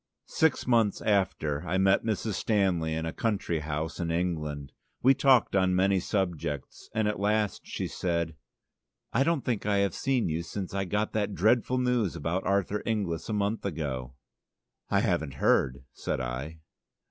Six months after I met Mrs. Stanley in a country house in England. We talked on many subjects and at last she said: "I don't think I have seen you since I got that dreadful news about Arthur Inglis a month ago." "I haven't heard," said I.